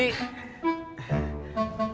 gak ada apa cuy